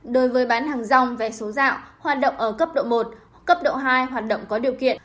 đối với bán hàng rong vé số dạo hoạt động ở cấp độ một cấp độ hai hoạt động có điều kiện